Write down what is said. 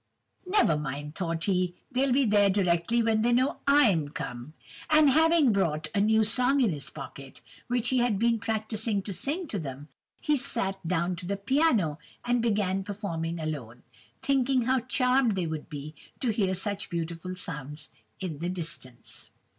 "Never mind, thought he, they'll be here directly when they know I'm come! And having brought a new song in his pocket, which he had been practising to sing to them, he sat down to the piano, and began performing alone, thinking how charmed they would be to hear such beautiful sounds in the distance!